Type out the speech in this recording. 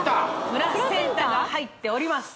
プラセンタが入っております